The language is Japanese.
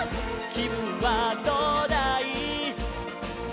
「きぶんはどうだい？」